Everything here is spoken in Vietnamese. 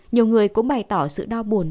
nhiều người cũng bày tỏ sự đau buồn